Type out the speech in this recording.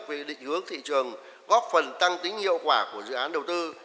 về định hướng thị trường góp phần tăng tính hiệu quả của dự án đầu tư